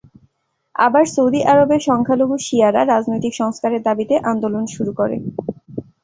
আবার সৌদি আরবের সংখ্যালঘু শিয়ারা রাজনৈতিক সংস্কারের দাবিতে আন্দোলন শুরু করে।